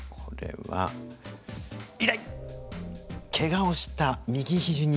はい。